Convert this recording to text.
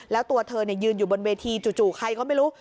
แล้วตัวเธอยืนอยู่บนเวทีจู่ใครก็ไม่รู้